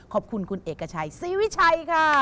ขอบคุณคุณเอกชัยศรีวิชัยค่ะ